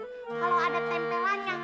kalau ada tempelannya